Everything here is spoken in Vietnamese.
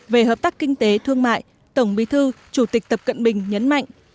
về hợp tác kinh tế thương mại tổng bí thư chủ tịch tập cận bình nhấn mạnh